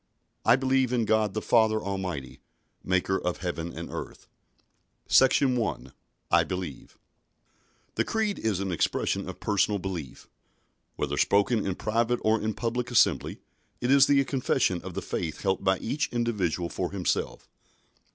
I believe in God the Father Almighty, Maker of heaven and earth_ SECTION 1. I BELIEVE The Creed is the expression of personal belief. Whether spoken in private or in a public assembly, it is the confession of the faith held by each individual for himself.